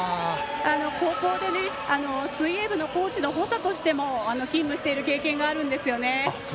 高校で、水泳部のコーチの補佐としても勤務している経験があるんですよね。